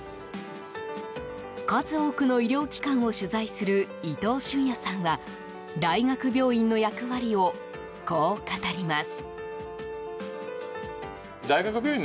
数多くの医療機関を取材する伊藤隼也さんは大学病院の役割をこう語ります。